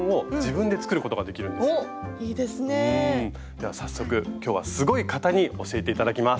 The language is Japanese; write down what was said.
では早速今日はすごい方に教えて頂きます。